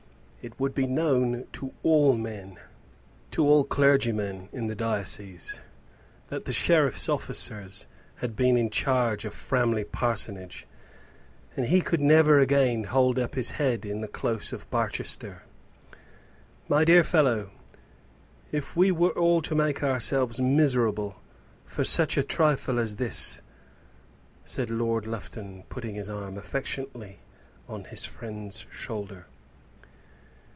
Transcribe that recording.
It would be known to all men to all clergymen in the diocese that the sheriff's officers had been in charge of Framley Parsonage, and he could never again hold up his head in the close of Barchester. "My dear fellow, if we were all to make ourselves miserable for such a trifle as this " said Lord Lufton, putting his arm affectionately on his friend's shoulder.